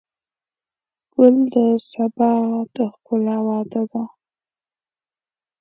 ګل د سبا د ښکلا وعده ده.